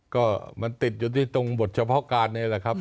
ก็มันติดอยู่ที่ตรงบทเฉพาะการนี่แหละครับ